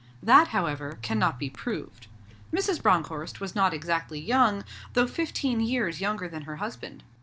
That, however, cannot be proved. Mrs. Bronckhorst was not exactly young, though fifteen years younger than her husband.